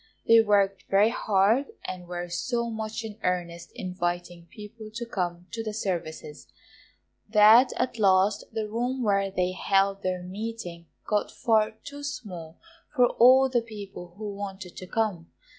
They worked very hard, and were so much in earnest inviting people to come to the services, that at last the room where they held their meeting got far too small for all the people who wanted to come.